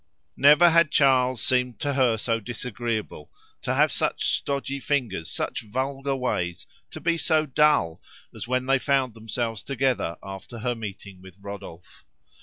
Never had Charles seemed to her so disagreeable, to have such stodgy fingers, such vulgar ways, to be so dull as when they found themselves together after her meeting with Rodolphe.